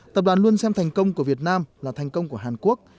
tập đoàn luôn xem thành công của việt nam là thành công của hàn quốc